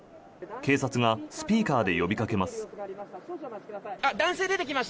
警察がスピーカーで呼びかけます。